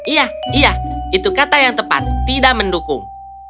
iya iya itu kata yang tepat tidak mendukung